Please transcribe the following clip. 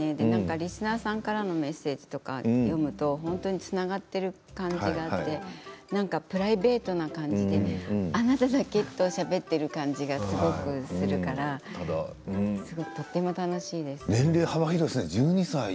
リスナーさんからのメッセージとかを読むと本当につながっている感じがあってプライベートな感じであなただけとしゃべっている感じがすごくするから年齢、幅広いですね１２歳。